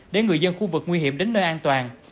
để người dân khu vực nguy hiểm đến nơi an toàn